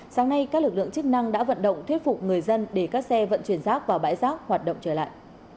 sáng nay các lực lượng chức năng đã vận động thuyết phục người dân để các xe vận chuyển rác vào bãi rác hoạt động trở lại